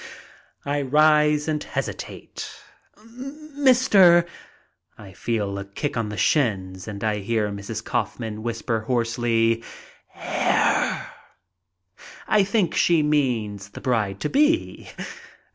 I rise and hesitate. "Mr. —" I feel a kick on the shins and I hear Mrs. Kaufman whisper hoarsely: "Herr." I think she means the bride to be.